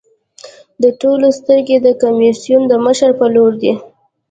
د ټولو سترګې د کمېسیون د مشر په لور دي.